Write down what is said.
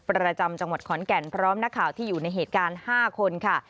ประจำจังหวัดขอนแก่นพร้อมนักข่าวที่อยู่ในเหตุการณ์๕คนค่ะ